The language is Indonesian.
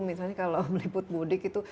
misalnya kalau beliput budik itu